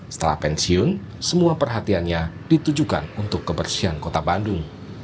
setelah pensiun semua perhatiannya ditujukan untuk kebersihan kota bandung